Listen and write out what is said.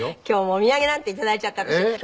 今日もお土産なんていただいちゃって私。